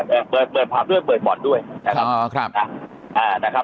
เอ่อเปิดเปิดผับด้วยเปิดบ่อนด้วยนะครับอ๋อครับนะอ่านะครับ